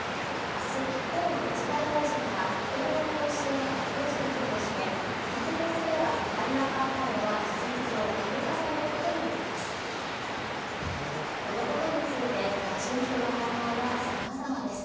明日、河野デジタル大臣が今後の方針を発表する見通しで実現すればマイナンバーカードは事実上義務化されることになります。